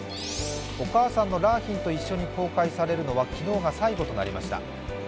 お母さんの良浜と一緒に公開されるのは昨日で最後となりました。